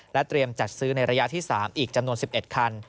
เตรียมจัดซื้อในระยะที่๓อีกจำนวน๑๑คัน